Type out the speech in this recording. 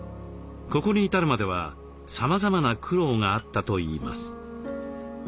ここに至るまではさまざまな苦労があったといいます。